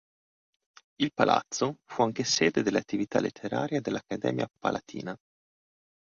Il palazzo fu anche sede delle attività letterarie dell'accademia palatina.